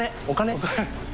お金。